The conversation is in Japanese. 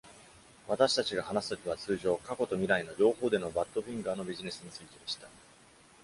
私たちが話すときは通常、過去と未来の両方でのバッドフィンガーのビジネスについてでした。